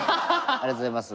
ありがとうございます。